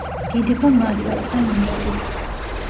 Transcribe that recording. დიდება მას აწ და მარადის.